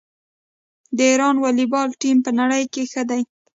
د ایران والیبال ټیم په نړۍ کې ښه دی.